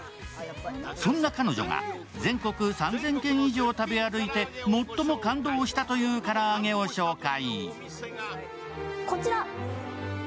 そんな彼女は全国３０００件以上食べ歩いて最も感動したというからあげを紹介。